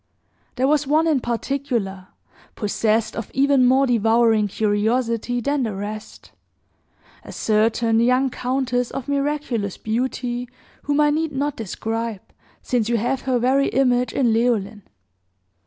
"There was one, in particular, possessed of even more devouring curiosity than the rest, a certain young countess of miraculous beauty, whom I need not describe, since you have her very image in Leoline.